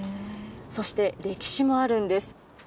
そして、歴史もあるんです。